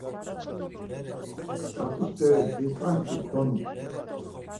Kat̆u steri dizvanǩi donu.